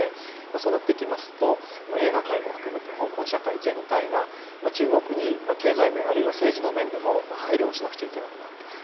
そうなってきますと、映画界も含めて、香港社会全体が中国に経済面、あるいは政治の面でも配慮をしなくちゃいけなくなってくる。